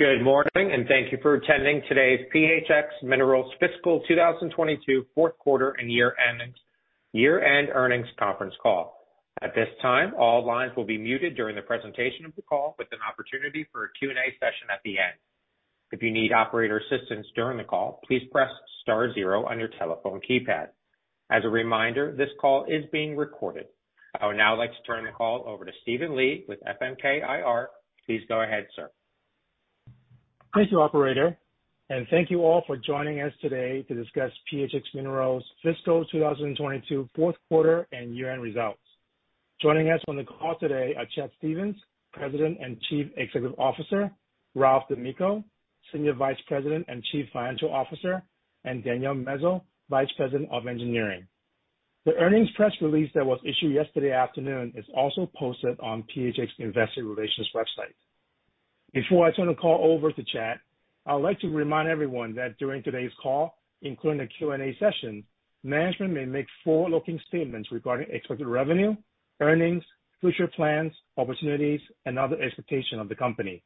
Good morning, and thank you for attending today's PHX Minerals Fiscal 2022 Fourth Quarter and Year-end Earnings Conference Call. At this time, all lines will be muted during the presentation of the call, with an opportunity for a Q&A session at the end. If you need operator assistance during the call, please press star zero on your telephone keypad. As a reminder, this call is being recorded. I would now like to turn the call over to Stephen Lee with FNK IR. Please go ahead, sir. Thank you, operator, and thank you all for joining us today to discuss PHX Minerals' fiscal 2022 fourth quarter and year-end results. Joining us on the call today are Chad Stephens, President and Chief Executive Officer, Ralph D'Amico, Senior Vice President and Chief Financial Officer, and Danielle Mezo, Vice President of Engineering. The earnings press release that was issued yesterday afternoon is also posted on PHX Investor Relations website. Before I turn the call over to Chad, I would like to remind everyone that during today's call, including the Q&A session, management may make forward-looking statements regarding expected revenue, earnings, future plans, opportunities, and other expectations of the company.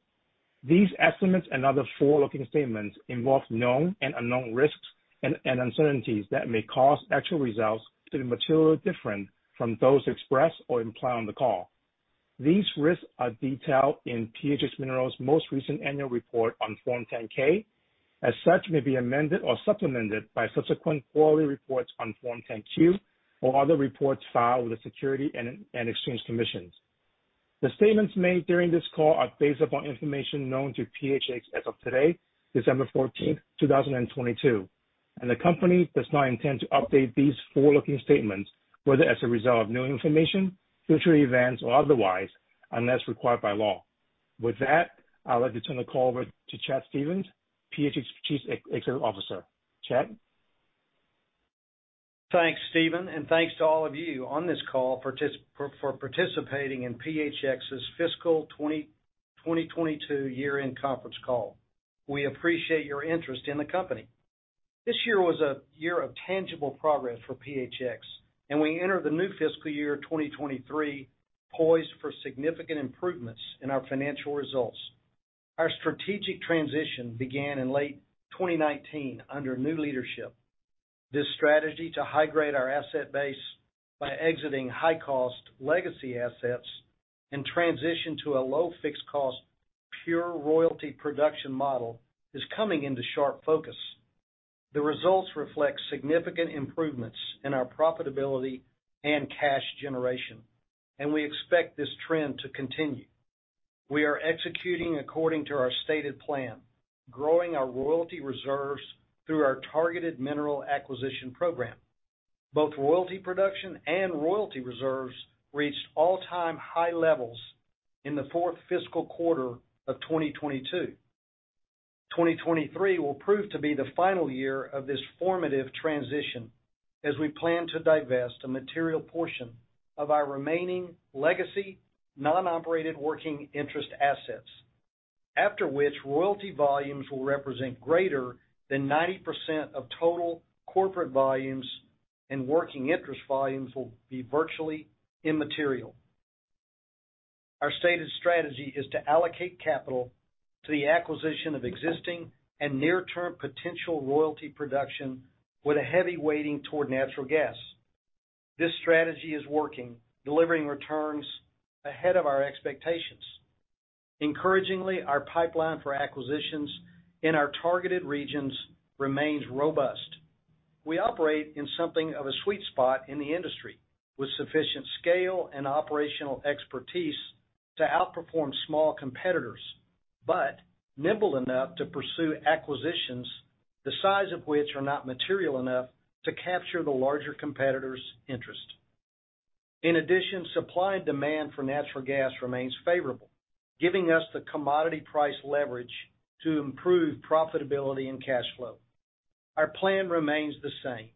These estimates and other forward-looking statements involve known and unknown risks and uncertainties that may cause actual results to be materially different from those expressed or implied on the call. These risks are detailed in PHX Minerals' most recent annual report on Form 10-K. As such, may be amended or supplemented by subsequent quarterly reports on Form 10-Q, or other reports filed with the Securities and Exchange Commission. The statements made during this call are based upon information known to PHX as of today, December 14th, 2022, and the company does not intend to update these forward-looking statements, whether as a result of new information, future events, or otherwise, unless required by law. With that, I would like to turn the call over to Chad Stephens, PHX Chief Executive Officer. Chad? Thanks, Stephen, and thanks to all of you on this call for participating in PHX's fiscal 2022 year-end conference call. We appreciate your interest in the company. This year was a year of tangible progress for PHX, and we enter the new fiscal year, 2023, poised for significant improvements in our financial results. Our strategic transition began in late 2019 under new leadership. This strategy to high-grade our asset base by exiting high-cost legacy assets and transition to a low-fixed cost, pure royalty production model is coming into sharp focus. The results reflect significant improvements in our profitability and cash generation, and we expect this trend to continue. We are executing according to our stated plan, growing our royalty reserves through our targeted mineral acquisition program. Both royalty production and royalty reserves reached all-time high levels in the fourth fiscal quarter of 2022. 2023 will prove to be the final year of this formative transition as we plan to divest a material portion of our remaining legacy non-operated working interest assets. After which, royalty volumes will represent greater than 90% of total corporate volumes, and working interest volumes will be virtually immaterial. Our stated strategy is to allocate capital to the acquisition of existing and near-term potential royalty production with a heavy weighting toward natural gas. This strategy is working, delivering returns ahead of our expectations. Encouragingly, our pipeline for acquisitions in our targeted regions remains robust. We operate in something of a sweet spot in the industry, with sufficient scale and operational expertise to outperform small competitors, but nimble enough to pursue acquisitions the size of which are not material enough to capture the larger competitor's interest. In addition, supply and demand for natural gas remains favorable, giving us the commodity price leverage to improve profitability and cash flow. Our plan remains the same,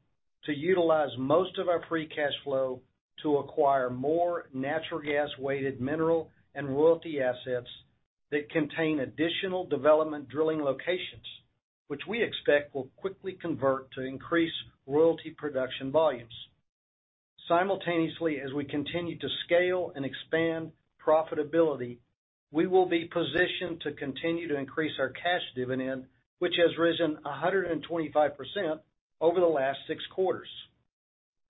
to utilize most of our free cash flow to acquire more natural gas-weighted mineral and royalty assets that contain additional development drilling locations, which we expect will quickly convert to increase royalty production volumes. Simultaneously, as we continue to scale and expand profitability, we will be positioned to continue to increase our cash dividend, which has risen 125% over the last 6 quarters.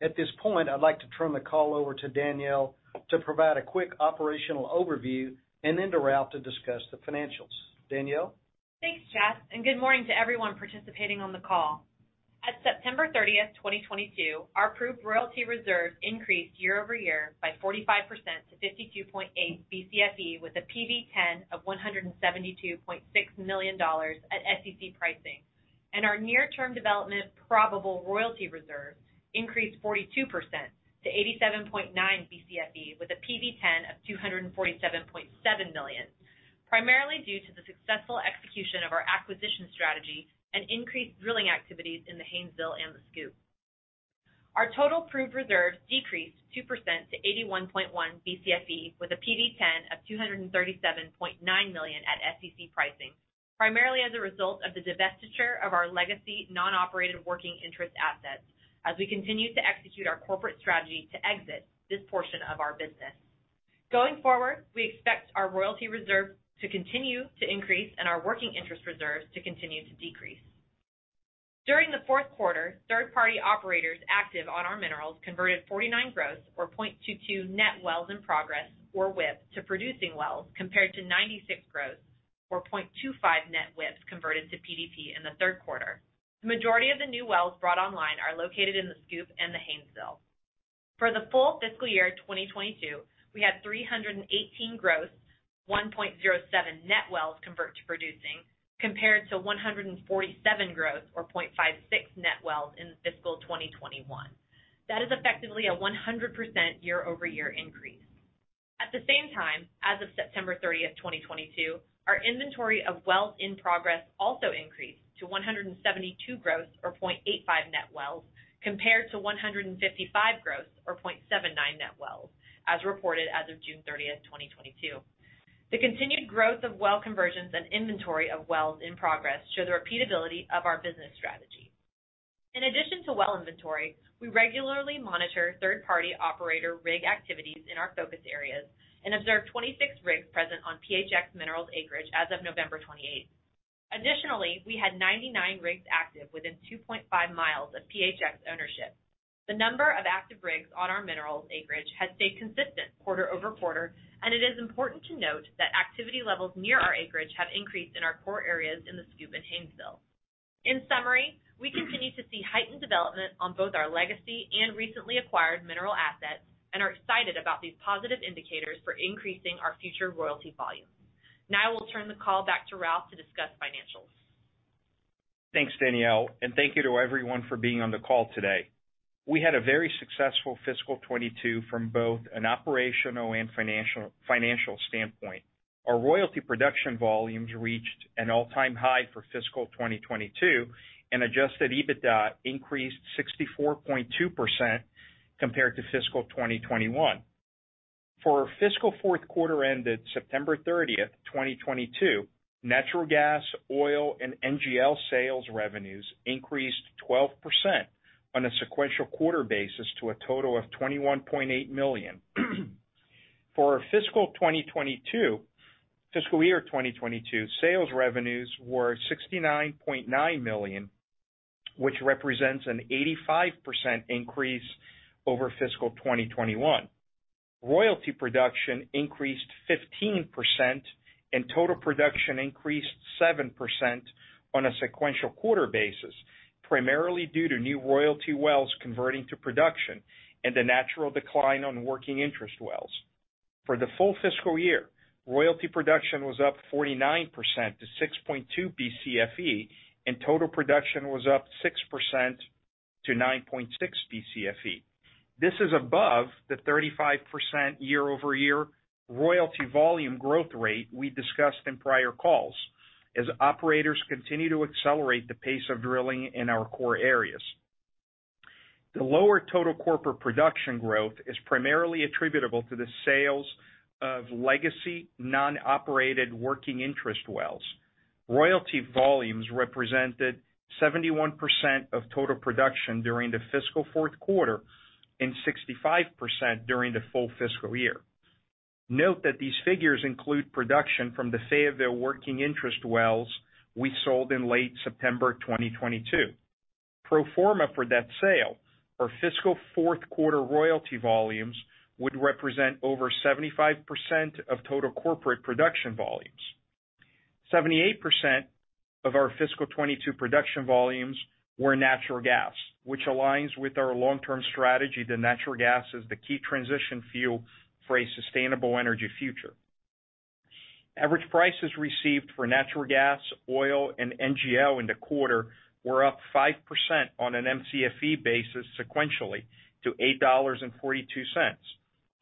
At this point, I'd like to turn the call over to Danielle to provide a quick operational overview and then to Ralph to discuss the financials. Danielle? Thanks, Chad. Good morning to everyone participating on the call. At September 30, 2022, our proved royalty reserve increased year-over-year by 45% to 52.8 Bcfe with a PV-10 of $172.6 million at SEC pricing. Our near-term development probable royalty reserve increased 42% to 87.9 Bcfe with a PV-10 of $247.7 million, primarily due to the successful execution of our acquisition strategy and increased drilling activities in the Haynesville and the SCOOP. Our total proved reserves decreased 2% to 81.1 Bcfe with a PV-10 of $237.9 million at SEC pricing, primarily as a result of the divestiture of our legacy non-operated working interest assets. As we continue to execute our corporate strategy to exit this portion of our business. Going forward, we expect our royalty reserve to continue to increase and our working interest reserves to continue to decrease. During the fourth quarter, third-party operators active on our minerals converted 49 gross, or 0.22 net wells in progress, or WIP, to producing wells, compared to 96 gross, or 0.25 net WIPs converted to PDP in the third quarter. The majority of the new wells brought online are located in the Scoop and the Haynesville. For the full fiscal year 2022, we had 318 gross, 1.07 net wells convert to producing, compared to 147 gross or 0.56 net wells in fiscal 2021. That is effectively a 100% year-over-year increase. At the same time, as of September 30th, 2022, our inventory of wells in progress also increased to 172 gross or 0.85 net wells, compared to 155 gross or 0.79 net wells, as reported as of June 30th, 2022. The continued growth of well conversions and inventory of wells in progress show the repeatability of our business strategy. In addition to well inventory, we regularly monitor third-party operator rig activities in our focus areas and observed 26 rigs present on PHX Minerals acreage as of November 28th. Additionally, we had 99 rigs active within 2.5 miles of PHX ownership. The number of active rigs on our minerals acreage has stayed consistent quarter-over-quarter. It is important to note that activity levels near our acreage have increased in our core areas in the Scoop and Haynesville. In summary, we continue to see heightened development on both our legacy and recently acquired mineral assets. We are excited about these positive indicators for increasing our future royalty volumes. I will turn the call back to Ralph to discuss financials. Thanks, Danielle Mezo, and thank you to everyone for being on the call today. We had a very successful fiscal 22 from both an operational and financial standpoint. Our royalty production volumes reached an all-time high for fiscal 2022, and adjusted EBITDA increased 64.2% compared to fiscal 2021. For our fiscal fourth quarter ended September 30th, 2022, natural gas, oil, and NGL sales revenues increased 12% on a sequential quarter basis to a total of $21.8 million. For our fiscal year 2022, sales revenues were $69.9 million, which represents an 85% increase over fiscal 2021. Royalty production increased 15% and total production increased 7% on a sequential quarter basis, primarily due to new royalty wells converting to production and a natural decline on working interest wells. For the full fiscal year, royalty production was up 49% to 6.2 Bcfe, and total production was up 6% to 9.6 Bcfe. This is above the 35% year-over-year royalty volume growth rate we discussed in prior calls as operators continue to accelerate the pace of drilling in our core areas. The lower total corporate production growth is primarily attributable to the sales of legacy, non-operated working interest wells. Royalty volumes represented 71% of total production during the fiscal fourth quarter and 65% during the full fiscal year. Note that these figures include production from the Fayetteville working interest wells we sold in late September of 2022. Pro forma for that sale, our fiscal fourth quarter royalty volumes would represent over 75% of total corporate production volumes. 78% of our fiscal 2022 production volumes were natural gas, which aligns with our long-term strategy that natural gas is the key transition fuel for a sustainable energy future. Average prices received for natural gas, oil, and NGL in the quarter were up 5% on an Mcfe basis sequentially to $8.42.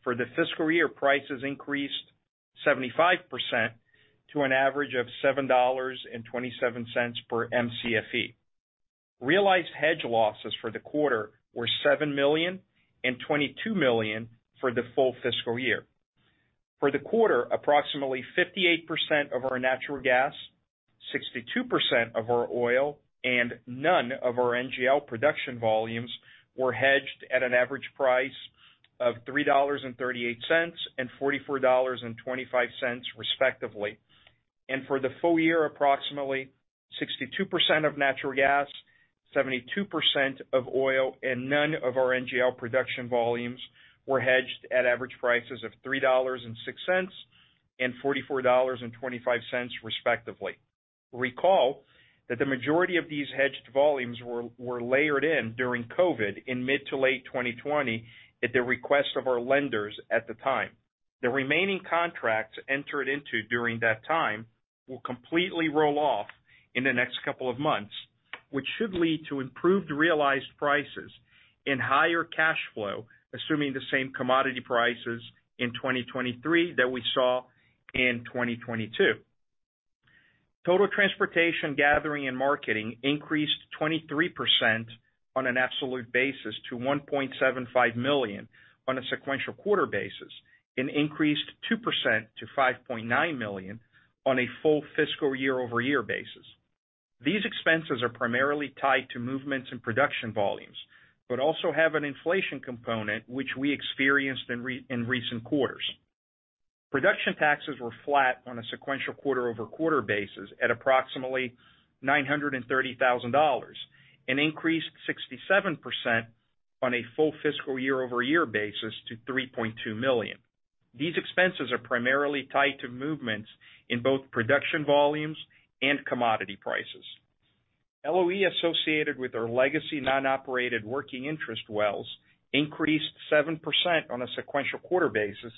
For the fiscal year, prices increased 75% to an average of $7.27 per Mcfe. Realized hedge losses for the quarter were $7 million and $22 million for the full fiscal year. For the quarter, approximately 58% of our natural gas, 62% of our oil, and none of our NGL production volumes were hedged at an average price of $3.38 and $44.25 respectively. For the full year, approximately 62% of natural gas, 72% of oil, and none of our NGL production volumes were hedged at average prices of $3.06 and $44.25 respectively. Recall that the majority of these hedged volumes were layered in during COVID in mid to late 2020 at the request of our lenders at the time. The remaining contracts entered into during that time will completely roll off in the next couple of months, which should lead to improved realized prices and higher cash flow, assuming the same commodity prices in 2023 that we saw in 2022. Total transportation, gathering, and marketing increased 23% on an absolute basis to $1.75 million on a sequential quarter basis. Increased 2% to $5.9 million on a full fiscal year-over-year basis. These expenses are primarily tied to movements in production volumes, but also have an inflation component which we experienced in recent quarters. Production taxes were flat on a sequential quarter-over-quarter basis at approximately $930,000, and increased 67% on a full fiscal year-over-year basis to $3.2 million. These expenses are primarily tied to movements in both production volumes and commodity prices. LOE associated with our legacy non-operated working interest wells increased 7% on a sequential quarter basis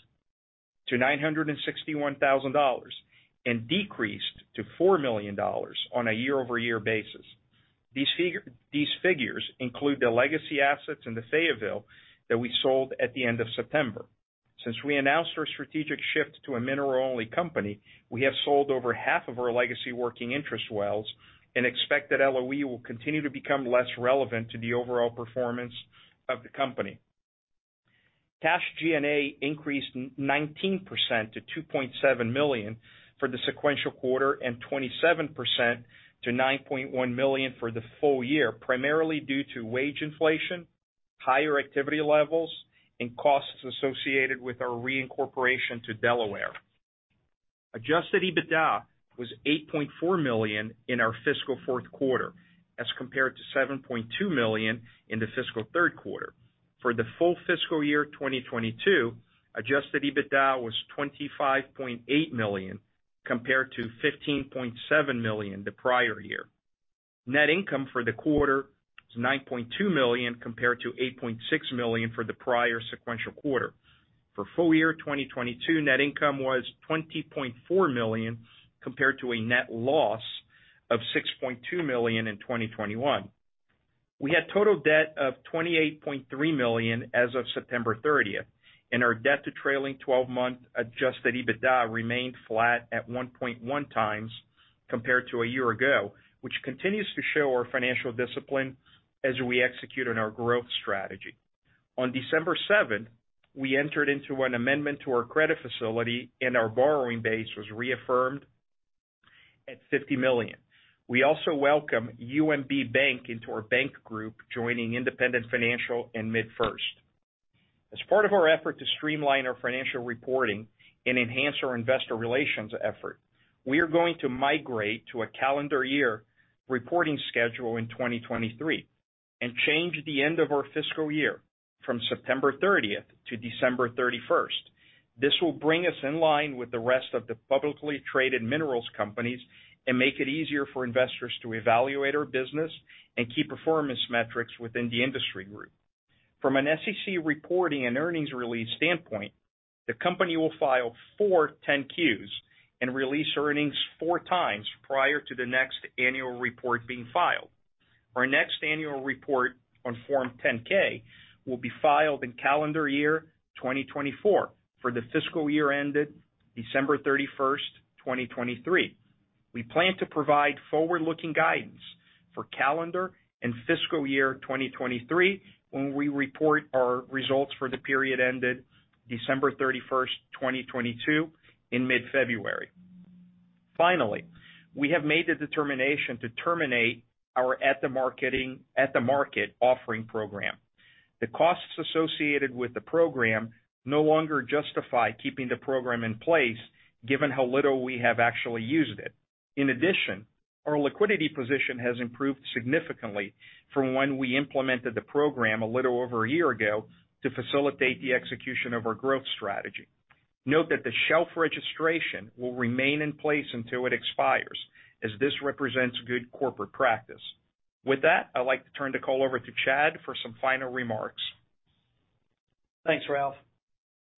to $961,000, and decreased to $4 million on a year-over-year basis. These figures include the legacy assets in the Fayetteville that we sold at the end of September. Since we announced our strategic shift to a mineral-only company, we have sold over half of our legacy working interest wells and expect that LOE will continue to become less relevant to the overall performance of the company. Cash G&A increased 19% to $2.7 million for the sequential quarter and 27% to $9.1 million for the full year, primarily due to wage inflation, higher activity levels, and costs associated with our reincorporation to Delaware. Adjusted EBITDA was $8.4 million in our fiscal fourth quarter, as compared to $7.2 million in the fiscal third quarter. For the full fiscal year 2022, adjusted EBITDA was $25.8 million, compared to $15.7 million the prior year. Net income for the quarter was $9.2 million, compared to $8.6 million for the prior sequential quarter. For full year 2022, net income was $20.4 million, compared to a net loss of $6.2 million in 2021. We had total debt of $28.3 million as of September 30th, and our debt to trailing 12-month adjusted EBITDA remained flat at 1.1 times compared to a year ago, which continues to show our financial discipline as we execute on our growth strategy. On December 7th, we entered into an amendment to our credit facility and our borrowing base was reaffirmed at $50 million. We also welcome UMB Bank into our bank group, joining Independent Financial and MidFirst. As part of our effort to streamline our financial reporting and enhance our investor relations effort, we are going to migrate to a calendar year reporting schedule in 2023 and change the end of our fiscal year from September 30th to December 31st. This will bring us in line with the rest of the publicly traded minerals companies and make it easier for investors to evaluate our business and key performance metrics within the industry group. From an SEC reporting and earnings release standpoint, the company will file 4 Form 10-Qs and release earnings 4 times prior to the next annual report being filed. Our next annual report on Form 10-K will be filed in calendar year 2024 for the fiscal year ended December 31st, 2023. We plan to provide forward-looking guidance for calendar and fiscal year 2023 when we report our results for the period ended December 31st, 2022 in mid-February. Finally, we have made the determination to terminate our at-the-market offering program. The costs associated with the program no longer justify keeping the program in place given how little we have actually used it. In addition, our liquidity position has improved significantly from when we implemented the program a little over a year ago to facilitate the execution of our growth strategy. Note that the shelf registration will remain in place until it expires, as this represents good corporate practice. With that, I'd like to turn the call over to Chad for some final remarks. Thanks, Ralph.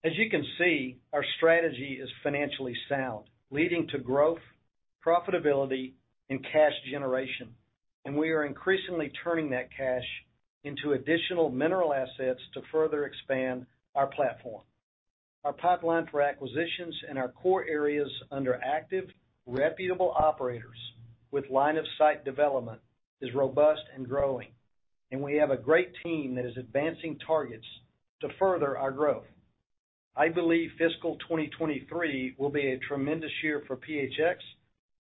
As you can see, our strategy is financially sound, leading to growth, profitability, and cash generation, and we are increasingly turning that cash into additional mineral assets to further expand our platform. Our pipeline for acquisitions in our core areas under active, reputable operators with line of sight development is robust and growing, and we have a great team that is advancing targets to further our growth. I believe fiscal 2023 will be a tremendous year for PHX,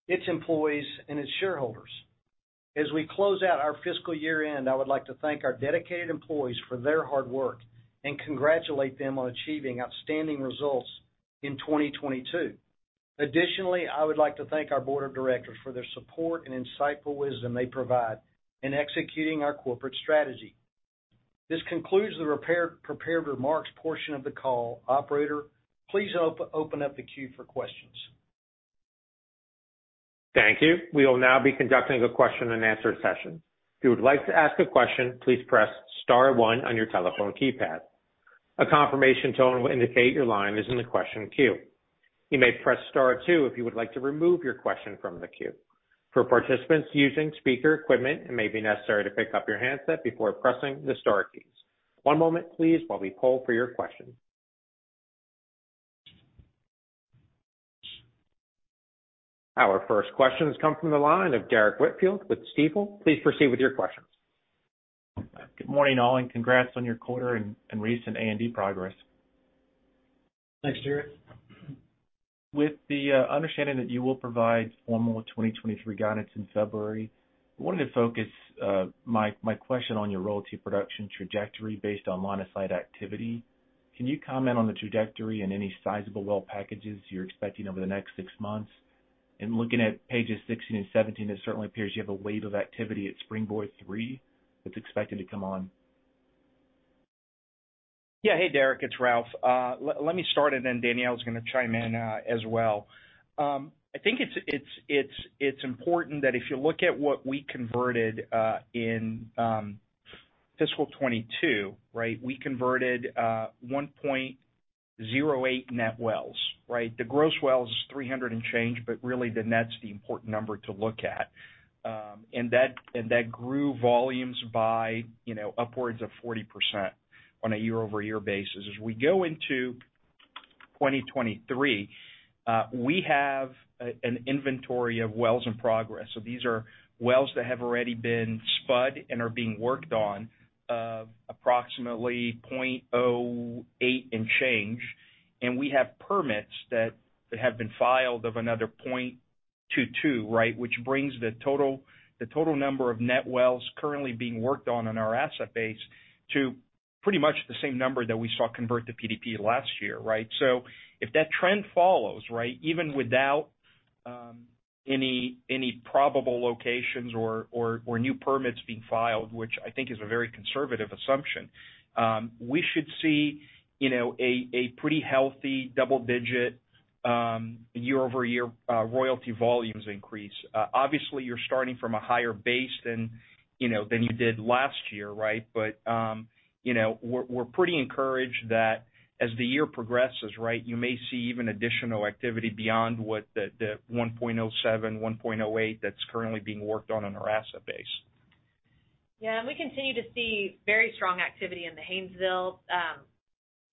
its employees, and its shareholders. As we close out our fiscal year-end, I would like to thank our dedicated employees for their hard work and congratulate them on achieving outstanding results in 2022. I would like to thank our board of directors for their support and insightful wisdom they provide in executing our corporate strategy. This concludes the prepared remarks portion of the call. Operator, please open up the queue for questions. Thank you. We will now be conducting a question and answer session. If you would like to ask a question, please press star one on your telephone keypad. A confirmation tone will indicate your line is in the question queue. You may press star two if you would like to remove your question from the queue. For participants using speaker equipment, it may be necessary to pick up your handset before pressing the star keys. One moment please while we poll for your questions. Our first question has come from the line of Derrick Whitfield with Stifel. Please proceed with your questions. Good morning, all, and congrats on your quarter and recent A&D progress. Thanks, Derrick. With the understanding that you will provide formal 2023 guidance in February, I wanted to focus my question on your royalty production trajectory based on monosite activity. Can you comment on the trajectory and any sizable well packages you're expecting over the next 6 months? In looking at pages 16 and 17, it certainly appears you have a wave of activity at Springboard 3 that's expected to come on. Yeah. Hey, Derrick, it's Ralph. let me start, and then Danielle Mezo is gonna chime in as well. I think it's important that if you look at what we converted in fiscal 2022, right, we converted 1.08 net wells, right? The gross wells is 300 and change, but really the net's the important number to look at. That grew volumes by, you know, upwards of 40% on a year-over-year basis. As we go into 2023, we have an inventory of wells in progress. These are wells that have already been spud and are being worked on of approximately 0.08 and change. We have permits that have been filed of another 0.22, right, which brings the total number of net wells currently being worked on in our asset base to pretty much the same number that we saw convert to PDP last year, right. If that trend follows, right, even without any probable locations or new permits being filed, which I think is a very conservative assumption, we should see, you know, a pretty healthy double digit year-over-year royalty volumes increase. Obviously, you're starting from a higher base than, you know, than you did last year, right. You know, we're pretty encouraged that as the year progresses, right, you may see even additional activity beyond what the 1.07, 1.08 that's currently being worked on in our asset base. Yeah. We continue to see very strong activity in the Haynesville.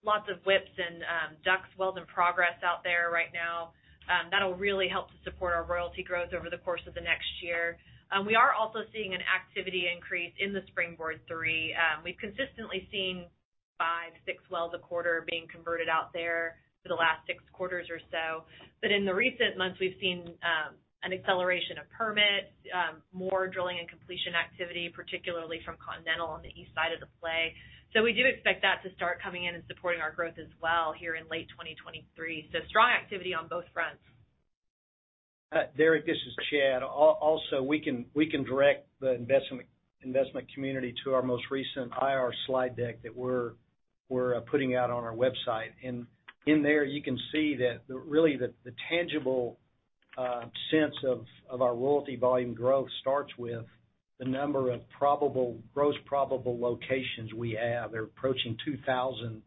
Lots of WIPs and DUCs, wells in progress out there right now. That'll really help to support our royalty growth over the course of the next year. We are also seeing an activity increase in the Springboard Three. We've consistently seen 5, 6 wells a quarter being converted out there for the last 6 quarters or so. In the recent months, we've seen an acceleration of permits, more drilling and completion activity, particularly from Continental on the east side of the play. We do expect that to start coming in and supporting our growth as well here in late 2023. Strong activity on both fronts. Derrick, this is Chad. Also, we can direct the investment community to our most recent IR slide deck that we're putting out on our website. In there, you can see that really the tangible sense of our royalty volume growth starts with the number of gross probable locations we have. They're approaching 2,000,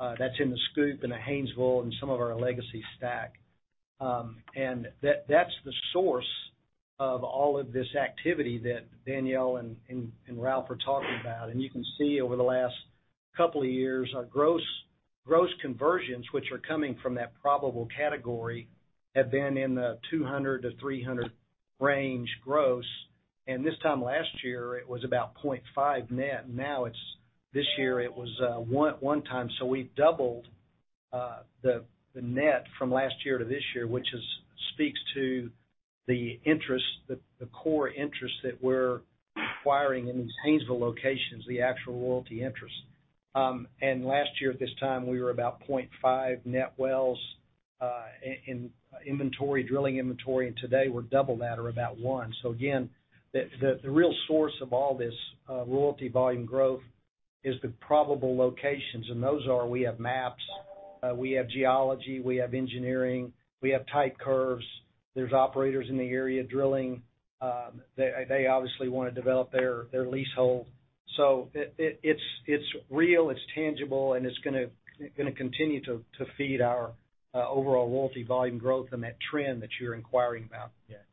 that's in the Scoop and the Haynesville and some of our legacy STACK. That's the source of all of this activity that Danielle and Ralph are talking about. You can see over the last couple of years, our gross conversions, which are coming from that probable category, have been in the 200-300 range gross. This time last year, it was about 0.5 net. This year it was one time. We've doubled the net from last year to this year, which speaks to the interest, the core interest that we're acquiring in these Haynesville locations, the actual royalty interest. Last year at this time, we were about 0.5 net wells in inventory, drilling inventory. Today we're double that or about 1. Again, the real source of all this royalty volume growth is the probable locations. Those are, we have maps, we have geology, we have engineering, we have type curves. There's operators in the area drilling. They obviously wanna develop their leasehold. It's real, it's tangible, and it's gonna continue to feed our overall royalty volume growth and that trend that you're inquiring about.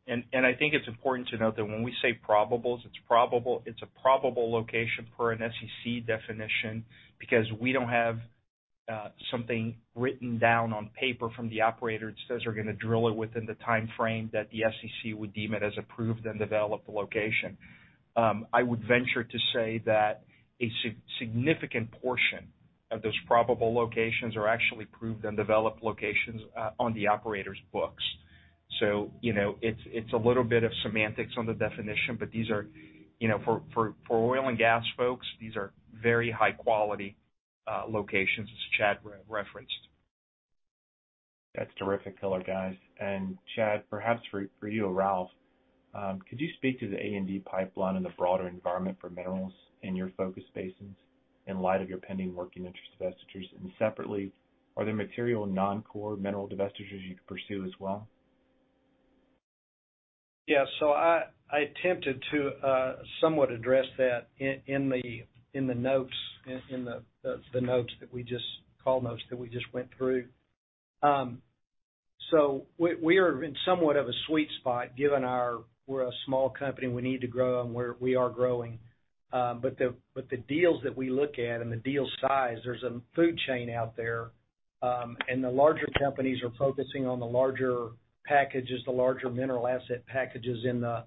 I think it's important to note that when we say probables, it's a probable location per an SEC definition because we don't have something written down on paper from the operator that says they're gonna drill it within the timeframe that the SEC would deem it as a proved and developed location. I would venture to say that a significant portion of those probable locations are actually proved and developed locations on the operator's books. You know, it's a little bit of semantics on the definition, but these are, you know, for oil and gas folks, these are very high quality locations as Chad re-referenced. That's terrific color, guys. Chad, perhaps for you or Ralph, could you speak to the A&D pipeline and the broader environment for minerals in your focus basins in light of your pending working interest divestitures? Separately, are there material non-core mineral divestitures you could pursue as well? Yeah. I attempted to somewhat address that in the notes, in the call notes that we just went through. We are in somewhat of a sweet spot given we're a small company, we need to grow, and we are growing. The deals that we look at and the deal size, there's a food chain out there, and the larger companies are focusing on the larger packages, the larger mineral asset packages in the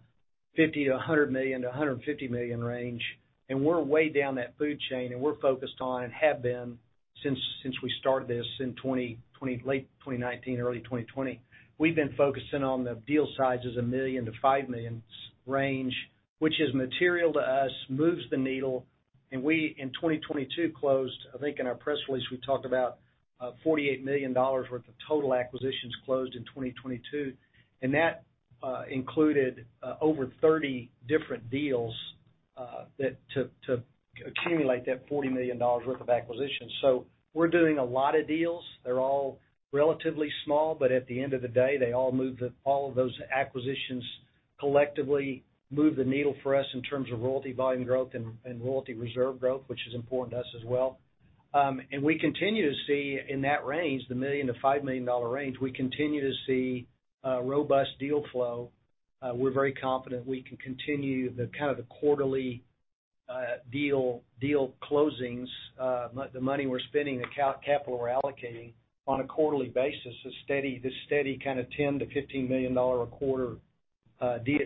$50 million to $100 million to $150 million range. We're way down that food chain, and we're focused on and have been since we started this in late 2019, early 2020. We've been focusing on the deal sizes $1 million-$5 million range, which is material to us, moves the needle. We, in 2022 closed, I think in our press release, we talked about $48 million worth of total acquisitions closed in 2022. That included over 30 different deals, that to accumulate that $40 million worth of acquisitions. We're doing a lot of deals. They're all relatively small, but at the end of the day, they all of those acquisitions collectively move the needle for us in terms of royalty volume growth and royalty reserve growth, which is important to us as well. We continue to see in that range, the $1 million-$5 million range, we continue to see a robust deal flow. We're very confident we can continue the kind of the quarterly deal closings, the money we're spending, the capital we're allocating on a quarterly basis, this steady kinda $10 million-$15 million a quarter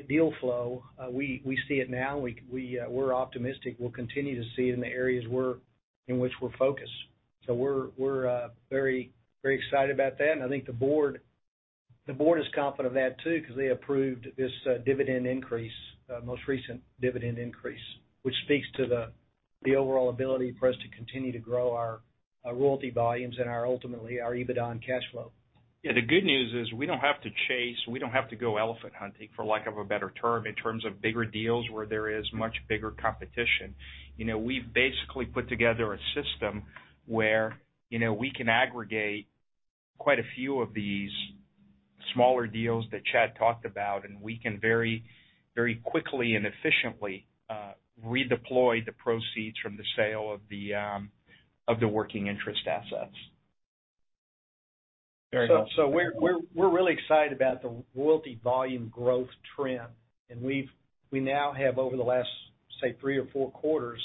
deal flow. We see it now. We're optimistic we'll continue to see it in the areas in which we're focused. We're very excited about that. I think the board is confident of that too, 'cause they approved this dividend increase, most recent dividend increase, which speaks to the overall ability for us to continue to grow our royalty volumes and our ultimately our EBITDA and cash flow. Yeah. The good news is we don't have to chase, we don't have to go elephant hunting, for lack of a better term, in terms of bigger deals where there is much bigger competition. You know, we've basically put together a system where, you know, we can aggregate quite a few of these smaller deals that Chad talked about, and we can very, very quickly and efficiently redeploy the proceeds from the sale of the working interest assets. We're really excited about the royalty volume growth trend. We now have, over the last, say, 3 or 4 quarters,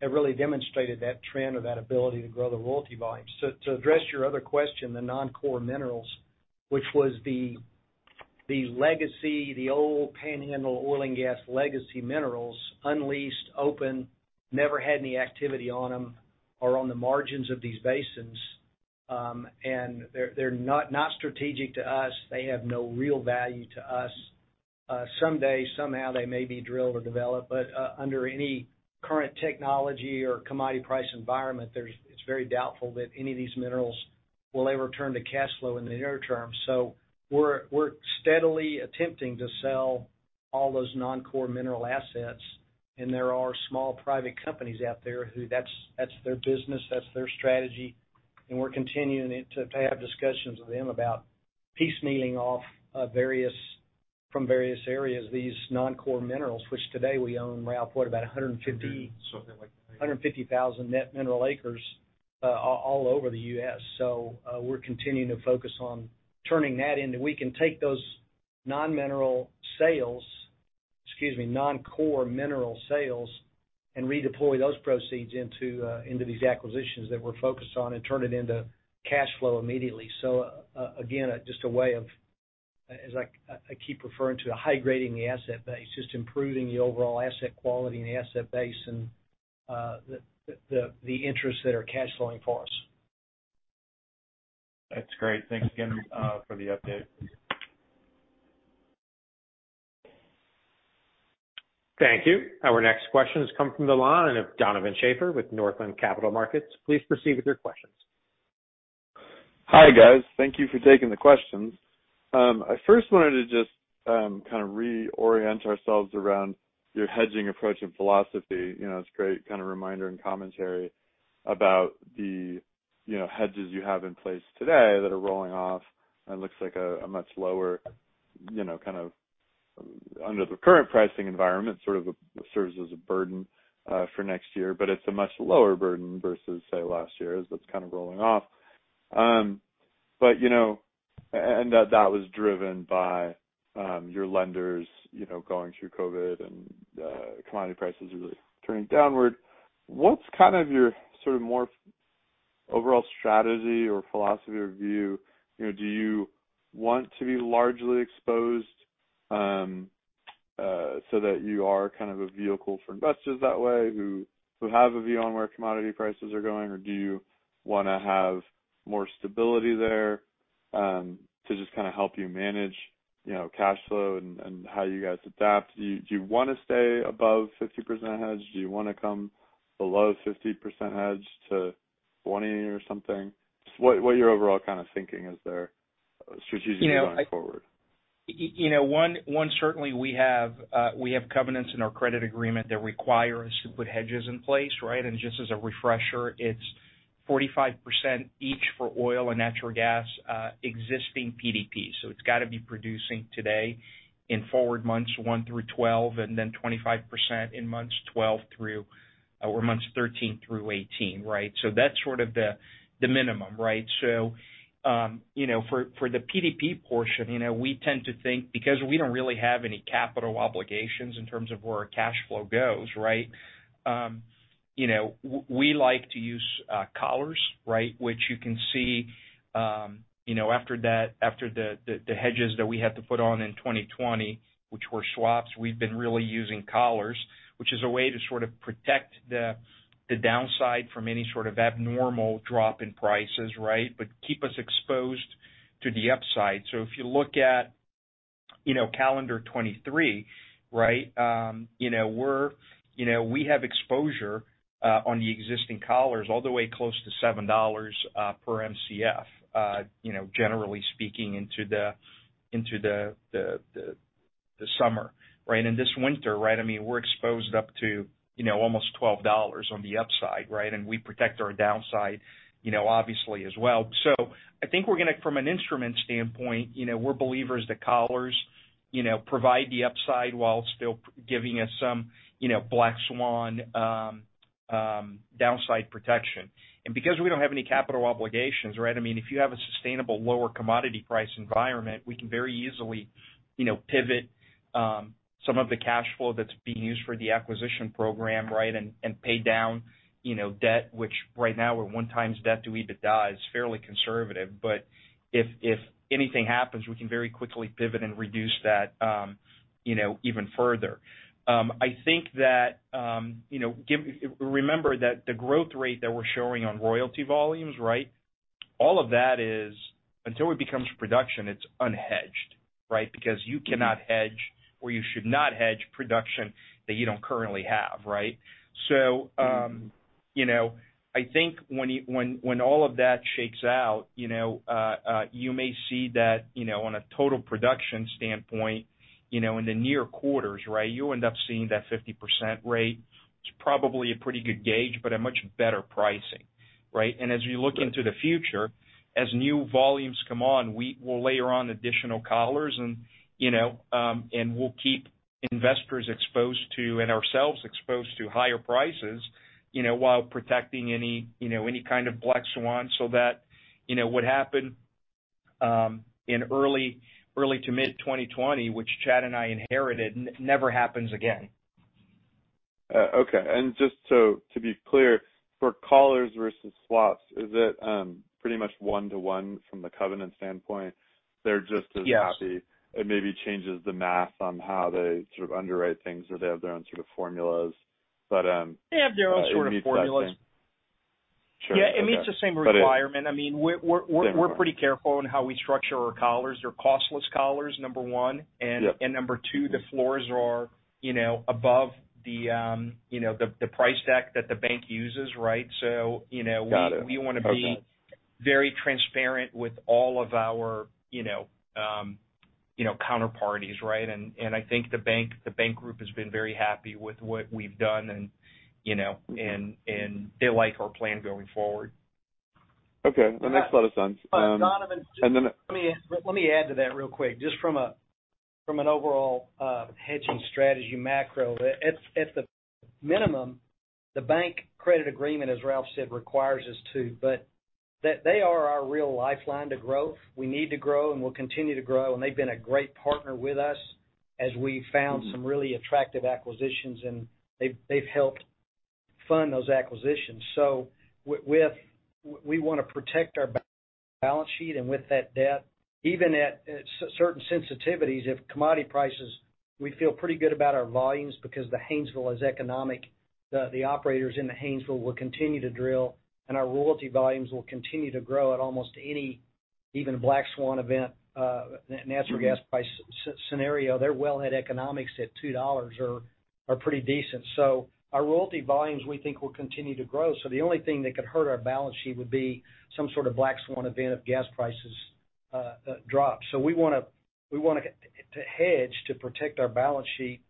have really demonstrated that trend or that ability to grow the royalty volume. To address your other question, the non-core minerals, which was the legacy, the old Panhandle Oil and Gas legacy minerals, unleased, open, never had any activity on them, are on the margins of these basins. They're not strategic to us. They have no real value to us. Someday, somehow they may be drilled or developed, but under any current technology or commodity price environment, it's very doubtful that any of these minerals will ever turn to cash flow in the near term. We're steadily attempting to sell all those non-core mineral assets, and there are small private companies out there who that's their business, that's their strategy. We're continuing to have discussions with them about piecemealing off from various areas, these non-core minerals, which today we own, Ralph, what, about 150- Something like that. 150,000 net mineral acres all over the U.S. We're continuing to focus on turning that into. We can take those non-mineral sales, excuse me, non-core mineral sales and redeploy those proceeds into these acquisitions that we're focused on and turn it into cash flow immediately. Again, just a way of, as I keep referring to, high grading the asset base, just improving the overall asset quality and the asset base and the interests that are cash flowing for us. That's great. Thanks again, for the update. Thank you. Our next question has come from the line of Donovan Schafer with Northland Capital Markets. Please proceed with your questions. Hi, guys. Thank you for taking the questions. I first wanted to just kind of reorient ourselves around your hedging approach and philosophy. You know, it's a great kind of reminder and commentary about the, you know, hedges you have in place today that are rolling off. It looks like a much lower, you know, kind of under the current pricing environment, sort of serves as a burden for next year. It's a much lower burden versus say last year as that's kind of rolling off. You know, and that was driven by your lenders, you know, going through COVID and commodity prices really turning downward. What's kind of your sort of more overall strategy or philosophy or view? You know, do you want to be largely exposed, so that you are kind of a vehicle for investors that way who have a view on where commodity prices are going? Or do you wanna have more stability there, to just kinda help you manage, you know, cash flow and how you guys adapt? Do you wanna stay above 50% hedge? Do you wanna come below 50% hedge to 20 or something? What are your overall kinda thinking is there strategically going forward? You know, one, certainly, we have covenants in our credit agreement that require us to put hedges in place, right? Just as a refresher, it's 45% each for oil and natural gas, existing PDP. It's gotta be producing today in forward months 1 through 12, and then 25% in months 13 through 18, right? That's sort of the minimum, right? You know, for the PDP portion, you know, we tend to think because we don't really have any capital obligations in terms of where our cash flow goes, right? You know, we like to use collars, right, which you can see, you know, after the hedges that we had to put on in 2020, which were swaps, we've been really using collars, which is a way to sort of protect the downside from any sort of abnormal drop in prices, right? Keep us exposed to the upside. If you look at, you know, calendar '23, right? You know, we have exposure on the existing collars all the way close to $7 per Mcf, you know, generally speaking into the summer, right? This winter, right, I mean, we're exposed up to, you know, almost $12 on the upside, right? We protect our downside, you know, obviously as well. I think we're gonna... From an instrument standpoint, you know, we're believers that collars, you know, provide the upside while still giving us some, you know, black swan, downside protection. Because we don't have any capital obligations, right? I mean, if you have a sustainable lower commodity price environment, we can very easily, you know, pivot, some of the cash flow that's being used for the acquisition program, right? Pay down, you know, debt, which right now we're 1 times debt to EBITDA, is fairly conservative. If, if anything happens, we can very quickly pivot and reduce that, you know, even further. I think that, you know, Remember that the growth rate that we're showing on royalty volumes, right? All of that is, until it becomes production, it's unhedged, right? You cannot hedge or you should not hedge production that you don't currently have, right? I think when all of that shakes out, you know, you may see that, you know, on a total production standpoint, you know, in the near quarters, right, you end up seeing that 50% rate. It's probably a pretty good gauge, a much better pricing, right? As you look into the future, as new volumes come on, we will layer on additional collars and, you know, we'll keep investors exposed to, and ourselves exposed to higher prices, you know, while protecting any, you know, any kind of black swan, so that, you know, what happened in early to mid 2020, which Chad and I inherited, never happens again. Okay. Just so to be clear, for collars versus swaps, is it pretty much one to one from the covenant standpoint? They're just as happy. Yeah. It maybe changes the math on how they sort of underwrite things, or they have their own sort of formulas. They have their own sort of formulas. Sure. Yeah, it meets the same requirement. But it- I mean, we're pretty careful in how we structure our collars. They're costless collars, number one. Yep. Number 2, the floors are, you know, above the, you know, the price deck that the bank uses, right? Got it. Okay.... we wanna be very transparent with all of our, you know, you know, counterparties, right? I think the bank group has been very happy with what we've done and, you know, they like our plan going forward. Okay. That makes a lot of sense. Donovan, just- And then- Let me add to that real quick, just from an overall hedging strategy macro. At the minimum, the bank credit agreement, as Ralph said, requires us to. They are our real lifeline to growth. We need to grow and we'll continue to grow. They've been a great partner with us as we found some really attractive acquisitions, and they've helped fund those acquisitions. With. We wanna protect our balance sheet and with that debt, even at certain sensitivities, if commodity prices, we feel pretty good about our volumes because the Haynesville is economic. The operators in the Haynesville will continue to drill, and our royalty volumes will continue to grow at almost any, even black swan event, natural gas price scenario. Their wellhead economics at $2 are pretty decent. Our royalty volumes, we think, will continue to grow. The only thing that could hurt our balance sheet would be some sort of black swan event if gas prices drop. We wanna to hedge to protect our balance sheet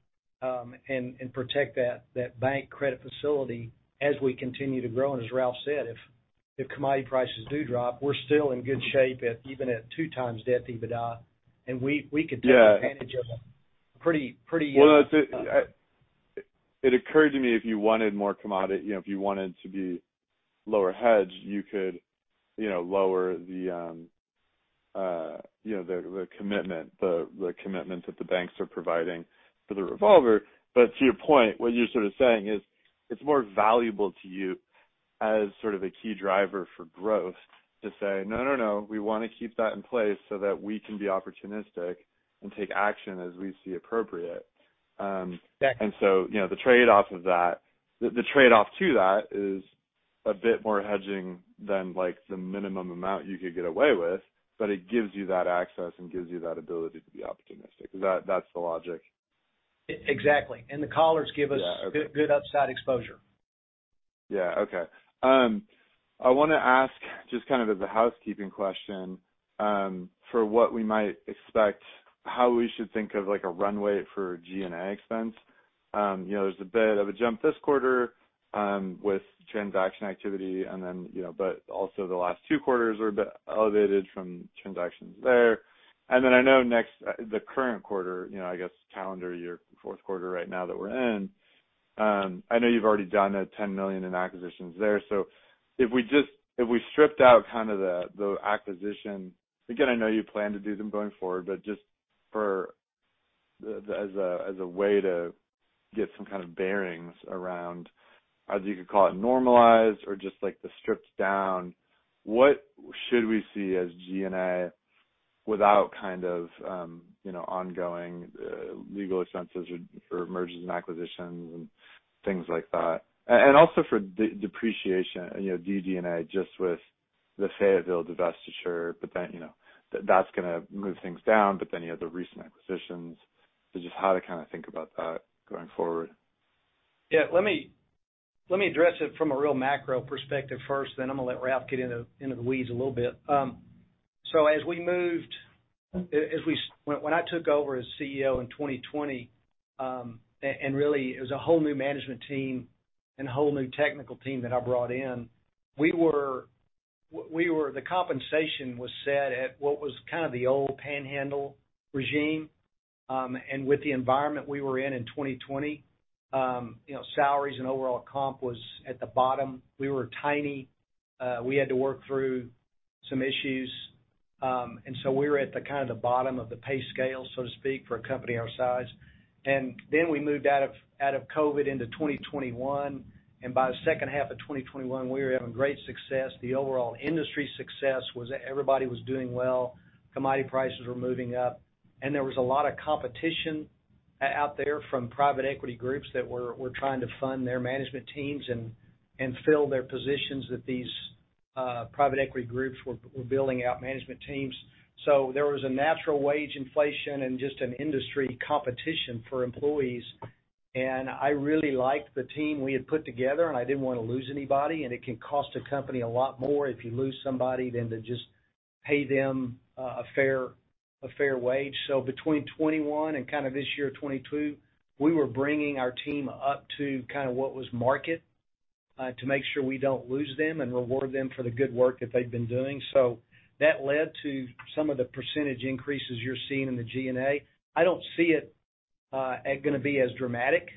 and protect that bank credit facility as we continue to grow. As Ralph said, if commodity prices do drop, we're still in good shape at, even at 2 times debt to EBITDA. We could- Yeah... take advantage of a pretty. Well, it occurred to me, if you wanted more commodity, you know, if you wanted to be lower hedged, you could, you know, lower the, you know, the commitment that the banks are providing for the revolver. To your point, what you're sort of saying is it's more valuable to you as sort of a key driver for growth to say, "No, no, we wanna keep that in place so that we can be opportunistic and take action as we see appropriate. Yeah. you know, The trade-off to that is a bit more hedging than, like, the minimum amount you could get away with. It gives you that access and gives you that ability to be opportunistic. That's the logic. Exactly. The collars give us... Yeah. Okay.... good upside exposure. Yeah. Okay. I wanna ask just kind of as a housekeeping question, for what we might expect, how we should think of like a runway for G&A expense. You know, there's a bit of a jump this quarter, with transaction activity and then, you know, but also the last two quarters are a bit elevated from transactions there. I know the current quarter, you know, I guess calendar year, fourth quarter right now that we're in. I know you've already done the $10 million in acquisitions there. If we stripped out kind of the acquisition... I know you plan to do them going forward, but just as a way to get some kind of bearings around, as you could call it, normalized or just like the stripped down, what should we see as G&A without kind of, you know, ongoing legal expenses or mergers and acquisitions and things like that? Also for depreciation, you know, DD&A just with the Fayetteville divestiture. Then, you know, that's gonna move things down, but then you have the recent acquisitions. Just how to kind of think about that going forward. Yeah. Let me, let me address it from a real macro perspective first, I'm gonna let Ralph get into the weeds a little bit. When I took over as CEO in 2020, really it was a whole new management team and a whole new technical team that I brought in. The compensation was set at what was kind of the old Panhandle regime. With the environment we were in in 2020, you know, salaries and overall comp was at the bottom. We were tiny. We had to work through some issues. We were at the kind of the bottom of the pay scale, so to speak, for a company our size. Then we moved out of COVID into 2021. By the second half of 2021, we were having great success. The overall industry success was everybody was doing well, commodity prices were moving up, and there was a lot of competition out there from private equity groups that were trying to fund their management teams and fill their positions that these private equity groups were building out management teams. There was a natural wage inflation and just an industry competition for employees. I really liked the team we had put together, and I didn't wanna lose anybody. It can cost a company a lot more if you lose somebody than to just pay them a fair wage. Between 2021 and kind of this year, 2022, we were bringing our team up to kind of what was market to make sure we don't lose them and reward them for the good work that they've been doing. That led to some of the % increases you're seeing in the G&A. I don't see it it gonna be as dramatic.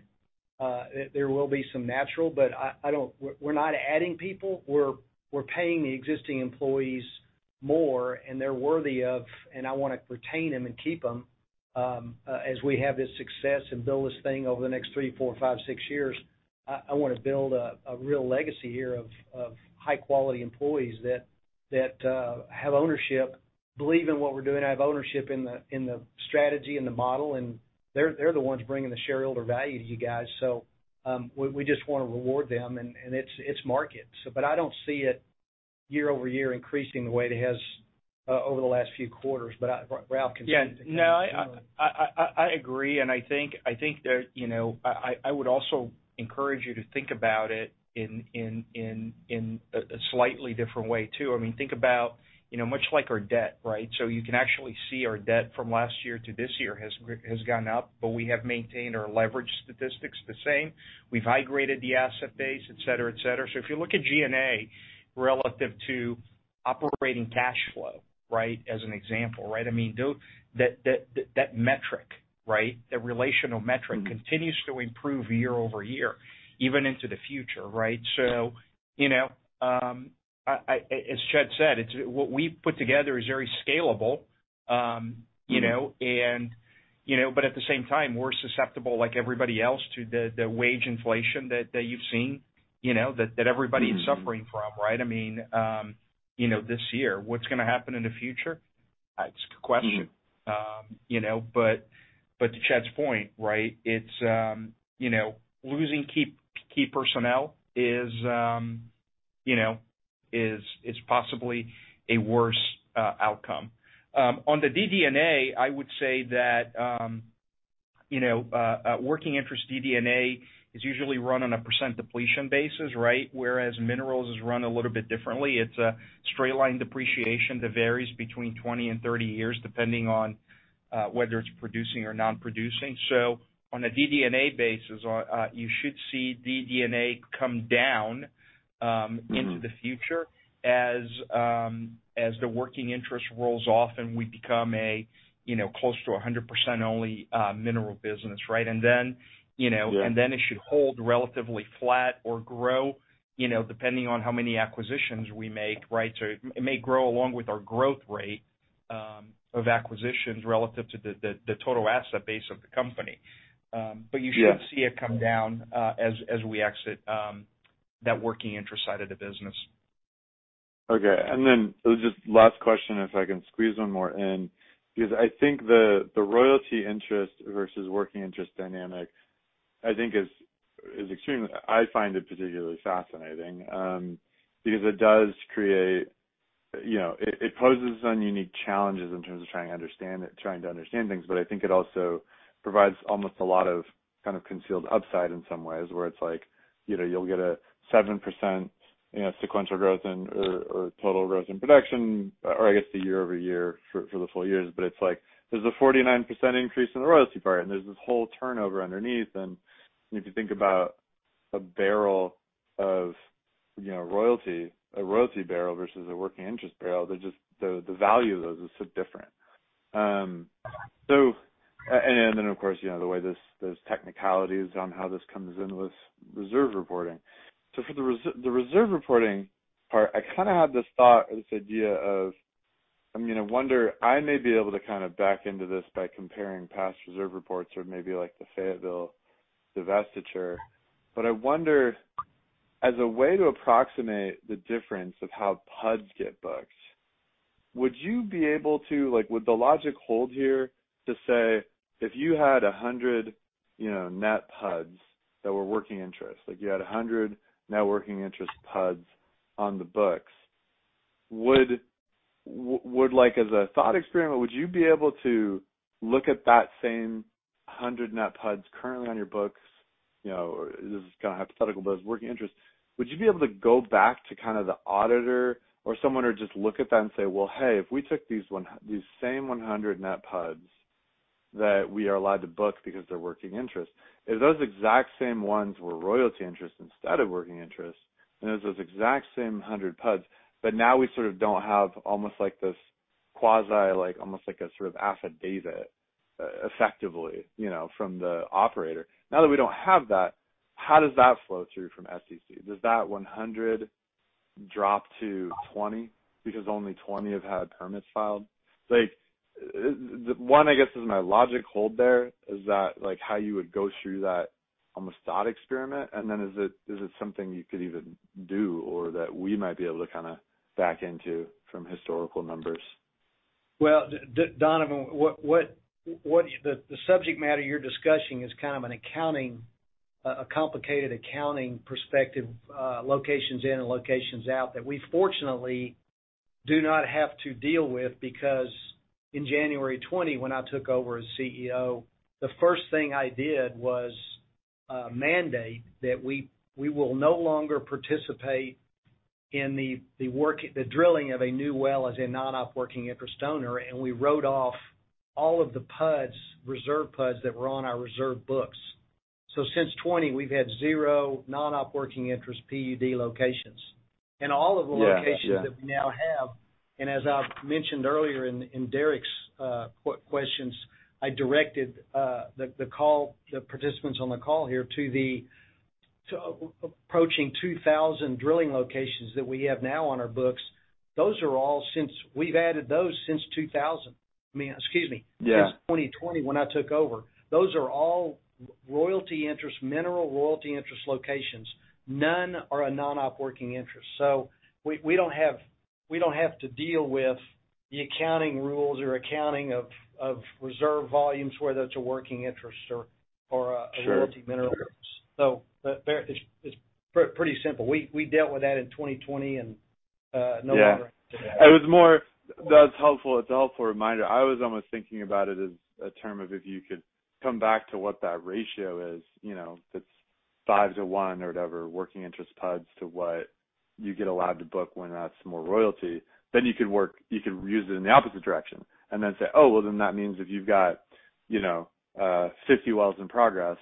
There will be some natural, but I don't. We're not adding people. We're paying the existing employees more and they're worthy of, and I wanna retain them and keep them as we have this success and build this thing over the next three, four, five, six years. I wanna build a real legacy here of high quality employees that have ownership, believe in what we're doing, have ownership in the strategy and the model, and they're the ones bringing the shareholder value to you guys. We just wanna reward them and it's market. But I don't see it year-over-year increasing the way it has over the last few quarters. But Ralph can. Yeah. No, I agree, I think there, you know, I would also encourage you to think about it in a slightly different way too. I mean, think about, you know, much like our debt, right? You can actually see our debt from last year to this year has gone up, we have maintained our leverage statistics the same. We've high graded the asset base, et cetera, et cetera. If you look at G&A relative to operating cash flow, right? As an example, right? I mean, that metric, right, that relational metric continues to improve year over year, even into the future, right? You know, as Chad said, what we've put together is very scalable, you know, at the same time, we're susceptible like everybody else to the wage inflation that you've seen, that everybody is suffering from, right? I mean, this year. What's gonna happen in the future? It's a good question. But to Chad's point, right? It's losing key personnel is possibly a worse outcome. On the DD&A, I would say that working interest DD&A is usually run on a percentage depletion basis, right? Whereas minerals is run a little bit differently. It's a straight-line depreciation that varies between 20 and 30 years, depending on whether it's producing or non-producing. On a DD&A basis, you should see DD&A come down into the future as the working interest rolls off and we become a, you know, close to 100% only mineral business, right? You know... Yeah. Then it should hold relatively flat or grow, you know, depending on how many acquisitions we make, right? It may grow along with our growth rate of acquisitions relative to the total asset base of the company. Yeah. You should see it come down, as we exit, that working interest side of the business. Okay. Just last question, if I can squeeze 1 more in, because I think the royalty interest versus working interest dynamic, I think is extremely, I find it particularly fascinating, because it does create, you know, it poses some unique challenges in terms of trying to understand it, trying to understand things, but I think it also provides almost a lot of kind of concealed upside in some ways, where it's like, you know, you'll get a 7%, you know, sequential growth in or total growth in production, or I guess the year-over-year for the full years. It's like there's a 49% increase in the royalty part, and there's this whole turnover underneath. If you think about a barrel of, you know, a royalty barrel versus a working interest barrel, they're just the value of those is so different. And then, of course, you know, the way this, there's technicalities on how this comes into this reserve reporting. For the reserve reporting part, I kinda had this thought or this idea of. I mean, I wonder, I may be able to kinda back into this by comparing past reserve reports or maybe like the Fayetteville divestiture. I wonder, as a way to approximate the difference of how PUDs get booked, would you be able to, like, would the logic hold here to say if you had 100, you know, net PUDs that were working interest, like you had 100 net working interest PUDs on the books, would like as a thought experiment, would you be able to look at that same 100 net PUDs currently on your books, you know, this is kinda hypothetical, but as working interest, would you be able to go back to kind of the auditor or someone or just look at that and say, "Well, hey, if we took these same 100 net PUDs that we are allowed to book because they're working interest, if those exact same ones were royalty interest instead of working interest, and it's those exact same 100 PUDs, but now we sort of don't have almost like this quasi like almost like a sort of affidavit, effectively, you know, from the operator? Now that we don't have that, how does that flow through from SEC? Does that 100 drop to 20 because only 20 have had permits filed? Like, I guess, is my logic hold there? Is that, like, how you would go through that almost thought experiment? Is it something you could even do or that we might be able to kinda back into from historical numbers? Donovan, what the subject matter you're discussing is kind of an accounting, a complicated accounting perspective, locations in and locations out that we fortunately do not have to deal with because in January 20 when I took over as CEO, the first thing I did was mandate that we will no longer participate in the drilling of a new well as a non-op working interest owner, and we wrote off all of the PUDs, reserve PUDs that were on our reserve books. Since 2020, we've had zero non-op working interest PUD locations. All of the locations- Yeah. Yeah. that we now have, and as I've mentioned earlier in Derrick's questions, I directed the call, the participants on the call here to so approaching 2,000 drilling locations that we have now on our books. We've added those since 2,000. I mean, excuse me. Yeah. Since 2020 when I took over. Those are all royalty interest, mineral royalty interest locations. None are a non-op working interest. We don't have to deal with the accounting rules or accounting of reserve volumes, whether it's a working interest. Sure. royalty mineral interest. there it's pretty simple. We dealt with that in 2020. Yeah. no longer. That's helpful. It's a helpful reminder. I was almost thinking about it as a term of if you could come back to what that ratio is, you know, if it's 5 to 1 or whatever, working interest PUDs to what you get allowed to book when that's more royalty, then you could use it in the opposite direction and then say, "Oh, well, then that means if you've got, you know, 50 wells in progress,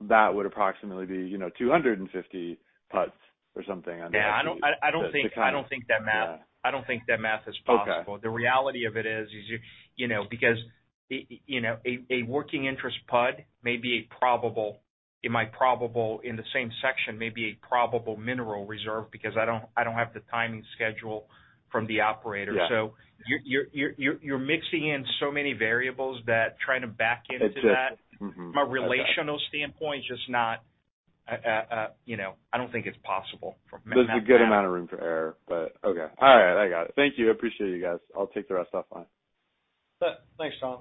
that would approximately be, you know, 250 PUDs or something under. Yeah. I don't think that math is possible. Okay. The reality of it is you're, you know, because you know, a working interest PUD may be a probable, it might probable in the same section may be a probable mineral reserve because I don't have the timing schedule from the operator. Yeah. You're mixing in so many variables that trying to back into that. It's just. From a relational standpoint, just not, you know, I don't think it's possible from. There's a good amount of room for error, but okay. All right, I got it. Thank you. I appreciate you guys. I'll take the rest offline. Thanks, Don.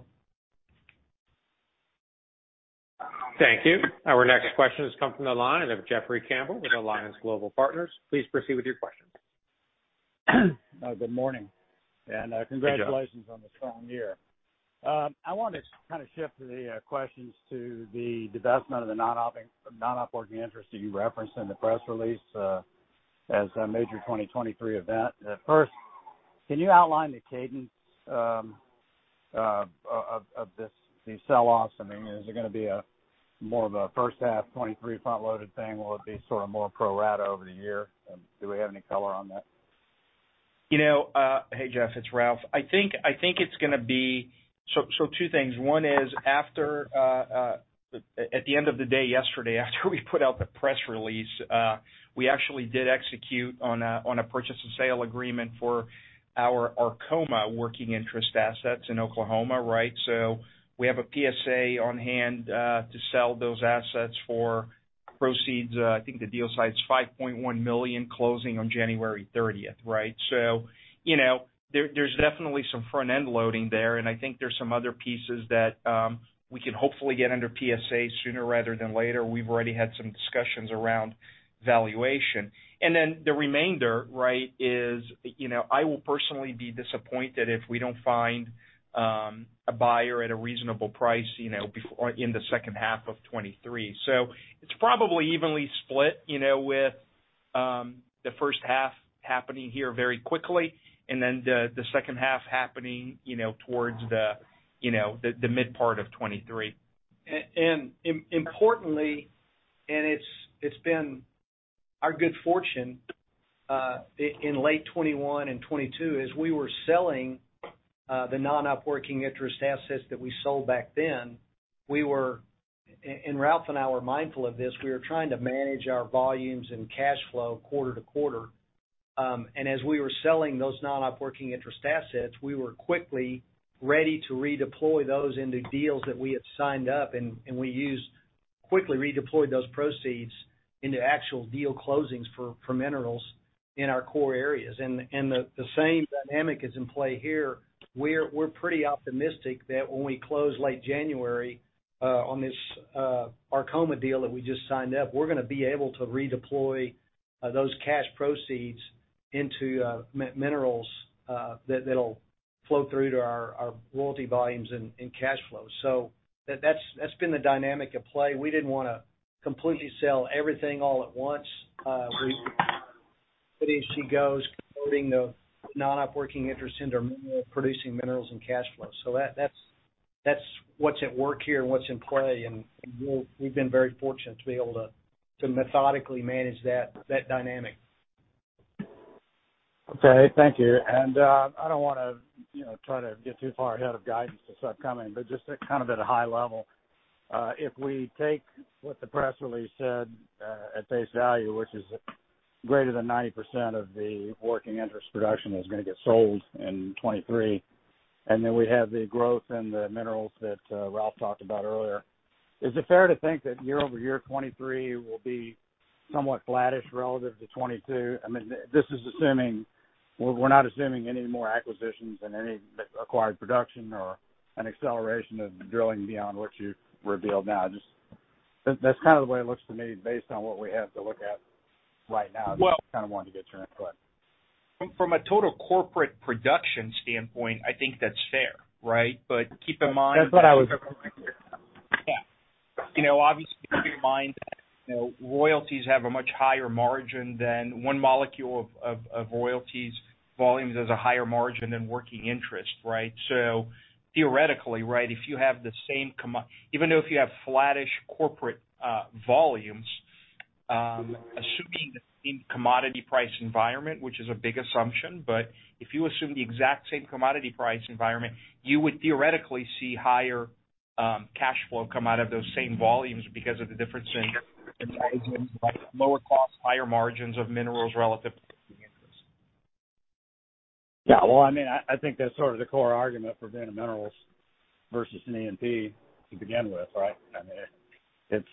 Thank you. Our next question has come from the line of Jeffrey Campbell with Alliance Global Partners. Please proceed with your question. Good morning. Good job. Congratulations on the strong year. I wanted to kinda shift the questions to the divestment of the non-op working interest that you referenced in the press release, as a major 2023 event. First, can you outline the cadence of this, the sell-offs? I mean, is it gonna be a more of a first half 2023 front-loaded thing, or will it be sort of more pro rata over the year? Do we have any color on that? You know, Hey, Jeff, it's Ralph. I think it's gonna be. Two things. One is after, at the end of the day yesterday, after we put out the press release, we actually did execute on a purchase and sale agreement for our Arkoma working interest assets in Oklahoma, right? We have a PSA on hand, to sell those assets for proceeds. I think the deal size, $5.1 million closing on January 30th, right? You know, there's definitely some front-end loading there, and I think there's some other pieces that we can hopefully get under PSA sooner rather than later. We've already had some discussions around valuation. The remainder, right, is, you know, I will personally be disappointed if we don't find a buyer at a reasonable price, you know, or in the second half of 2023. It's probably evenly split, you know, with the first half happening here very quickly, and then the second half happening, you know, towards the mid part of 2023. importantly, and it's been. Our good fortune in late 2021 and 2022 is we were selling the non-operating interest assets that we sold back then. Ralph D'Amico and I were mindful of this, we were trying to manage our volumes and cash flow quarter to quarter. As we were selling those non-operating interest assets, we were quickly ready to redeploy those into deals that we had signed up, and we quickly redeployed those proceeds into actual deal closings for minerals in our core areas. The same dynamic is in play here. We're pretty optimistic that when we close late January on this Arkoma deal that we just signed up, we're gonna be able to redeploy those cash proceeds into minerals that'll flow through to our royalty volumes and cash flows. That's been the dynamic at play. We didn't wanna completely sell everything all at once. As she goes, converting the non-operating interest into producing minerals and cash flow. That's what's at work here and what's in play. We've been very fortunate to be able to methodically manage that dynamic. Okay, thank you. I don't wanna, you know, try to get too far ahead of guidance that's upcoming, but just to kind of at a high level. If we take what the press release said, at face value, which is greater than 90% of the working interest production is gonna get sold in 2023, and then we have the growth in the minerals that Ralph talked about earlier, is it fair to think that year-over-year 2023 will be somewhat flattish relative to 2022? I mean, this is assuming we're not assuming any more acquisitions and any acquired production or an acceleration of drilling beyond what you've revealed now. Just that's kind of the way it looks to me based on what we have to look at right now. Well- Just kind of wanted to get your input. From a total corporate production standpoint, I think that's fair, right? Keep in mind. That's what I was- Yeah. You know, obviously, keep in mind that, you know, royalties have a much higher margin than one molecule of royalties. Volumes has a higher margin than working interest, right? Theoretically, right, if you have the same even though if you have flattish corporate volumes, assuming the same commodity price environment, which is a big assumption, but if you assume the exact same commodity price environment, you would theoretically see higher cash flow come out of those same volumes because of the difference in pricing, like lower cost, higher margins of minerals relative to working interest. Yeah. Well, I mean, I think that's sort of the core argument for being in minerals versus an E&P to begin with, right? I mean, it's, it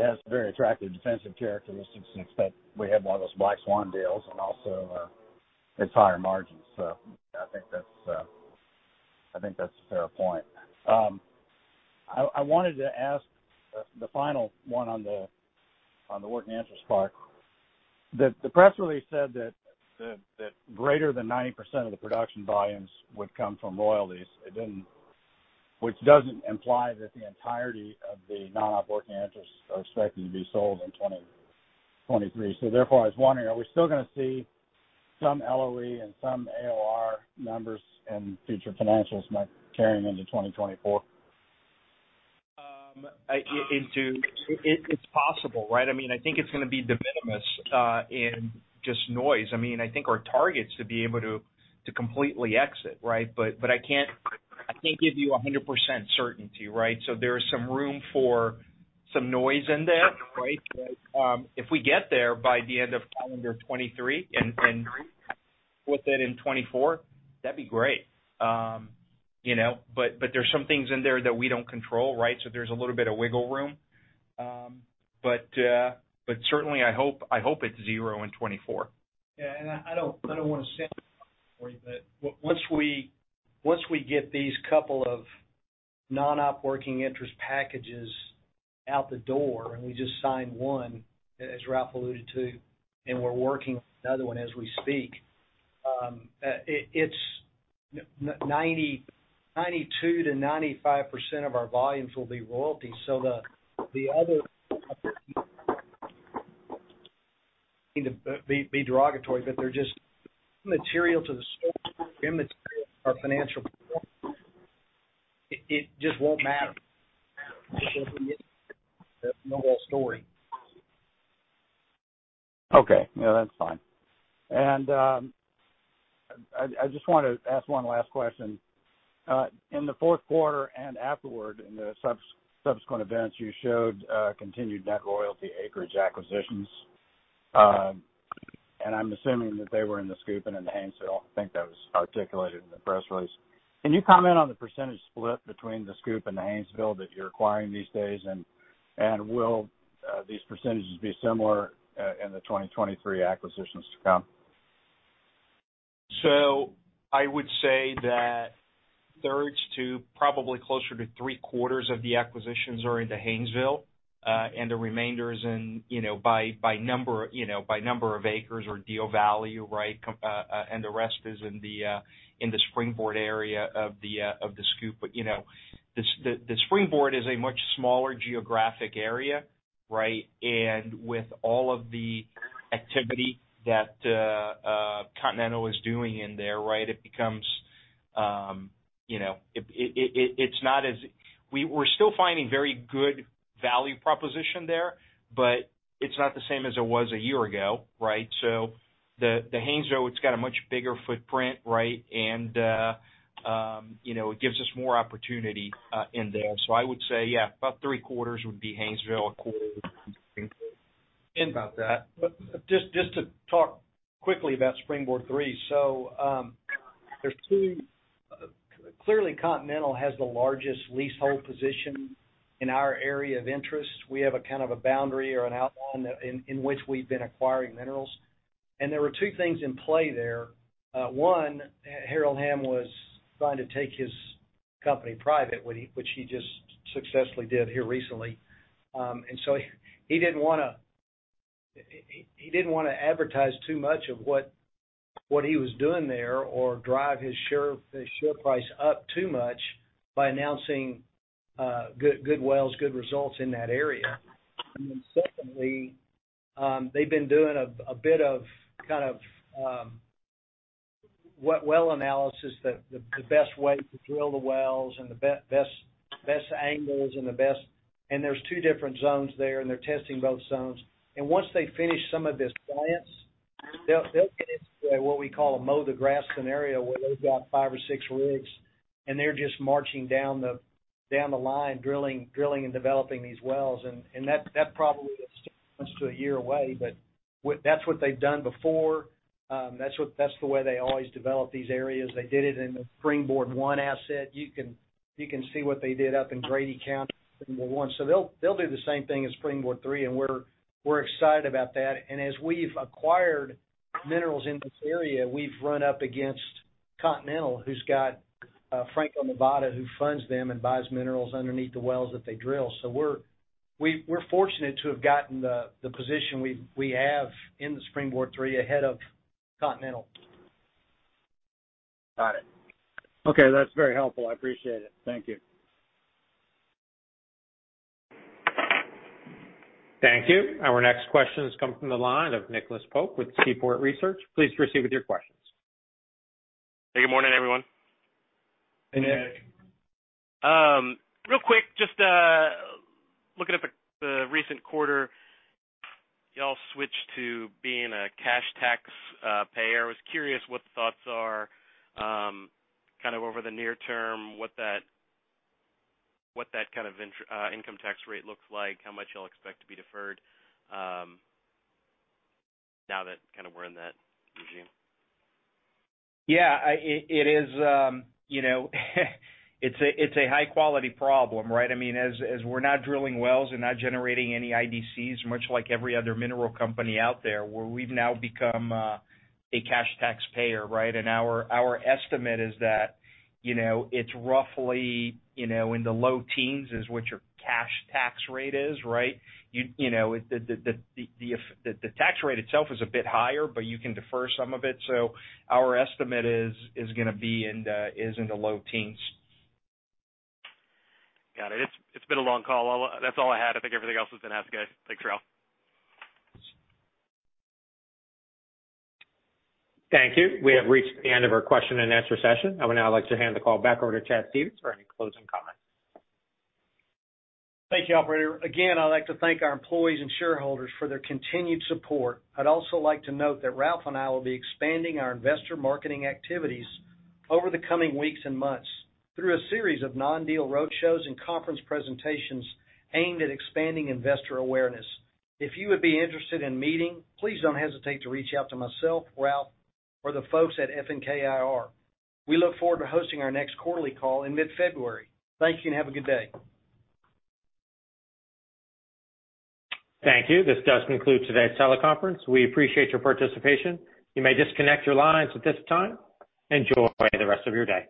has very attractive defensive characteristics, except we have one of those black swan deals and also, it's higher margins. I think that's a fair point. I wanted to ask the final one on the working interest part. The press release said that greater than 90% of the production volumes would come from royalties. Which doesn't imply that the entirety of the non-operating interests are expected to be sold in 2023. Therefore, I was wondering, are we still gonna see some LOE and some ARO numbers in future financials like carrying into 2024? It's possible, right? I mean, I think it's gonna be de minimis in just noise. I mean, I think our target's to be able to completely exit, right? I can't give you 100% certainty, right? There is some room for some noise in there, right? If we get there by the end of calendar 2023 and with it in 2024, that'd be great. You know, there's some things in there that we don't control, right? There's a little bit of wiggle room. Certainly I hope it's 0 in 2024. Yeah. I don't wanna Okay. No, that's fine. I just wanted to ask one last question. In the fourth quarter and afterward in the subsequent events, you showed continued net royalty acreage acquisitions. I'm assuming that they were in the Scoop and in the Haynesville. I think that was articulated in the press release. Can you comment on the percentage split between the Scoop and the Haynesville that you're acquiring these days? Will these percentages be similar in the 2023 acquisitions to come? I would say that thirds to probably closer to three-quarters of the acquisitions are in the Haynesville, and the remainder is in, you know, by number, you know, by number of acres or deal value, right? The rest is in the Springboard area of the Scoop. You know, the Springboard is a much smaller geographic area, right? With all of the activity that Continental is doing in there, right, it becomes, you know, it's not as we're still finding very good value proposition there, but it's not the same as it was a year ago, right? The Haynesville, it's got a much bigger footprint, right? You know, it gives us more opportunity in there. I would say, yeah, about three quarters would be Haynesville, a quarter Springboard. About that. Just to talk quickly about Springboard 3. So, there's 2. Clearly, Continental has the largest leasehold position in our area of interest. We have a kind of a boundary or an outline that in which we've been acquiring minerals. There were 2 things in play there. 1, Harold Hamm was trying to take his company private, which he just successfully did here recently. He didn't wanna advertise too much of what he was doing there or drive his share, the share price up too much by announcing, good wells, good results in that area. Secondly, they've been doing a bit of kind of, we-well analysis that the best way to drill the wells and the best angles and the best... There's 2 different zones there, and they're testing both zones. Once they finish some of this science, they'll get into what we call a mow the grass scenario, where they've got 5 or 6 rigs, and they're just marching down the, down the line, drilling and developing these wells. That probably is still close to a year away. But that's what they've done before. That's the way they always develop these areas. They did it in the Springboard 1 asset. You can see what they did up in Grady County in the 1. They'll do the same thing in Springboard 3, and we're excited about that. As we've acquired minerals in this area, we've run up against Continental, who's got Franco-Nevada, who funds them and buys minerals underneath the wells that they drill. We're fortunate to have gotten the position we have in the Springboard three ahead of Continental. Got it. Okay, that's very helpful. I appreciate it. Thank you. Thank you. Our next question comes from the line of Nicholas Pope with Seaport Research. Please proceed with your questions. Hey, good morning, everyone. Hey, Nick. Hey, Nick. Real quick, looking up at the recent quarter, y'all switched to being a cash tax payer. I was curious what the thoughts are over the near term, what that income tax rate looks like, how much y'all expect to be deferred, now that we're in that regime? Yeah, it is, you know, it's a, it's a high quality problem, right? I mean, as we're not drilling wells and not generating any IDCs, much like every other mineral company out there, where we've now become a cash taxpayer, right? Our estimate is that, you know, it's roughly, you know, in the low teens is what your cash tax rate is, right? You know, the tax rate itself is a bit higher, but you can defer some of it. Our estimate is gonna be in the low teens. Got it. It's been a long call. Well, that's all I had. I think everything else has been asked, guys. Thanks, Ralph. Thank you. We have reached the end of our question-and-answer session. I would now like to hand the call back over to Chad Stephens for any closing comments. Thank you, operator. I'd like to thank our employees and shareholders for their continued support. I'd also like to note that Ralph and I will be expanding our investor marketing activities over the coming weeks and months through a series of non-deal roadshows and conference presentations aimed at expanding investor awareness. If you would be interested in meeting, please don't hesitate to reach out to myself, Ralph, or the folks at FNK IR. We look forward to hosting our next quarterly call in mid-February. Thank you, and have a good day. Thank you. This does conclude today's teleconference. We appreciate your participation. You may disconnect your lines at this time. Enjoy the rest of your day.